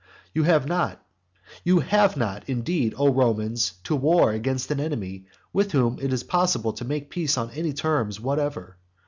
You have not you have not, indeed, O Romans, to war against an enemy with whom it is possible to make peace on any terms whatever.